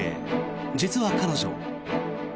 実は彼女。